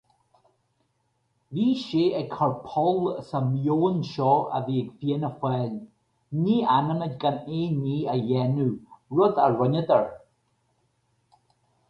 Bhí sé ag cur poll sa meon seo a bhí ag Fianna Fáil, ní fhanfaimid gan aon ní a dhéanamh, rud a rinneadar.